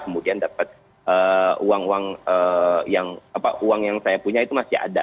kemudian dapat uang uang yang saya punya itu masih ada